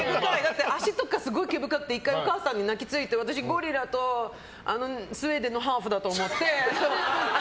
足とかすごく毛深くて私、お母さんに泣きついて、私ゴリラとスウェーデンのハーフだと思って。